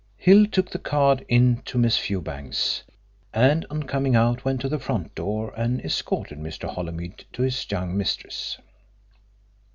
Hill took the card in to Miss Fewbanks, and on coming out went to the front door and escorted Mr. Holymead to his young mistress.